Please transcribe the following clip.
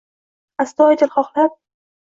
astoyidil xohlab